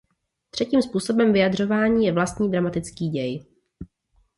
Třetím způsobem vyjadřování je vlastní dramatický děj.